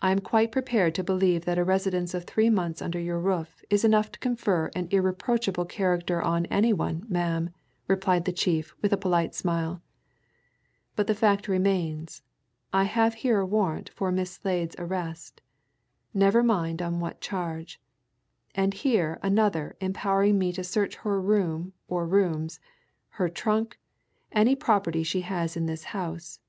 "I am quite prepared to believe that a residence of three months under your roof is enough to confer an irreproachable character on any one, ma'am," replied the chief with a polite smile. "But the fact remains, I have here a warrant for Miss Slade's arrest never mind on what charge and here another empowering me to search her room or rooms, her trunk, any property she has in this house.